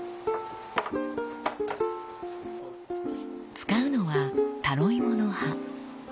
使うのはタロイモの葉。